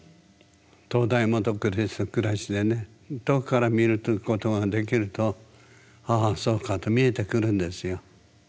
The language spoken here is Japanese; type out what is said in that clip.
灯台もと暗しでね遠くから見るということができるとああそうかと見えてくるんですよ。